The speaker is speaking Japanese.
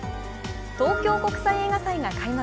東京国際映画祭が開幕